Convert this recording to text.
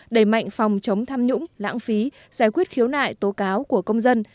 đẩy mạnh phòng chống tham nhũng lãng phí giải quyết khiếu nại tố cáo của công dân